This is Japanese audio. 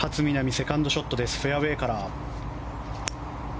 セカンドショットフェアウェーから。